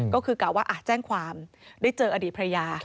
ก็คือกล่าวว่าแจ้งความได้เจออดีตภรรยา